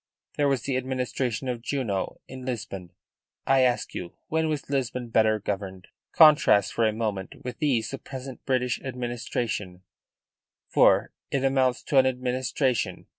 There was the administration of Junot in Lisbon. I ask you: when was Lisbon better governed? "Contrast, for a moment, with these the present British administration for it amounts to an administration.